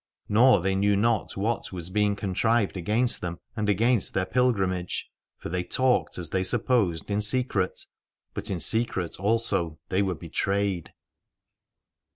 Nor they knew not what was being contrived against them and against their pilgrimage. For they talked, as they supposed, in secret : but in secret also they were betrayed.